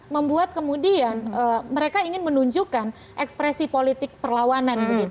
membuat kemudian mereka ingin menunjukkan ekspresi politik perlawanan